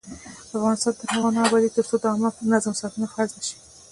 افغانستان تر هغو نه ابادیږي، ترڅو د عامه نظم ساتنه فرض نشي.